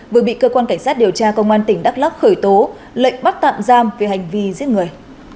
vừa bị cơ quan cảnh sát điều tra công an tỉnh đắk lắc khởi tố lệnh bắt tạm giam về hành vi giết người